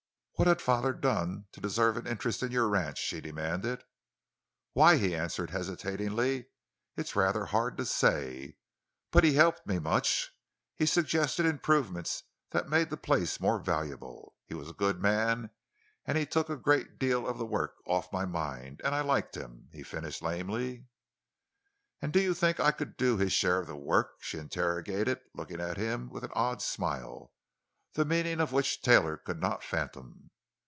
"What had father done to deserve an interest in your ranch?" she demanded. "Why," he answered hesitatingly, "it's rather hard to say. But he helped me much; he suggested improvements that made the place more valuable; he was a good man, and he took a great deal of the work off my mind—and I liked him," he finished lamely. "And do you think I could do his share of the work?" she interrogated, looking at him with an odd smile, the meaning of which Taylor could not fathom.